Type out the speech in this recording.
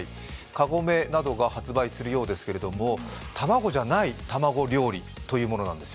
カゴメなどが発売するようですけれども、卵じゃない卵料理というものなんです。